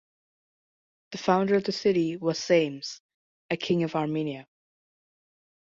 The founder of the city was Sames, a king of Armenia.